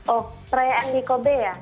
oh perayaan di kobe ya